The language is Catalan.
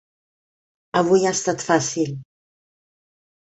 Avui ha estat fàcil.